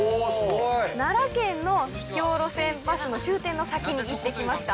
奈良県の秘境路線バスの終点の先に行ってきました。